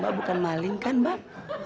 mbak bukan maling kan mbak